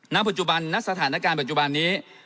นักสถานการณ์ปัจจุบันนี้